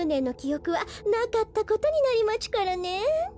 おくはなかったことになりまちゅからね。